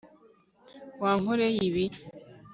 wankoreye ibi